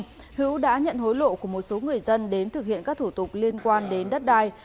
trong thời gian này hữu đã nhận hối lộ của một số người dân đến thực hiện các thủ tục liên quan đến đất đai